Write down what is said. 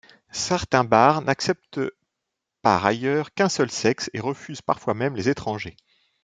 Certains bars n'acceptent par ailleurs qu'un seul sexe et refusent parfois même les étrangers.